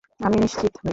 আমি নিশ্চিত নই।